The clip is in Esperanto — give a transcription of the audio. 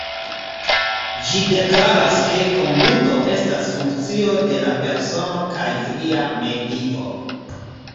Ĝi deklaras ke konduto estas funkcio de la persono kaj ilia medio.